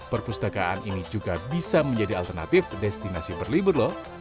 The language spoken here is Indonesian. perpustakaan ini juga bisa menjadi alternatif destinasi berlibur loh